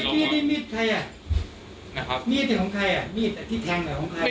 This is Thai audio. เมตต์เนี่ยของใครไงเมตต์แท็งใคร